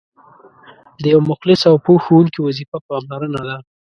د یو مخلص او پوه ښوونکي وظیفه پاملرنه ده.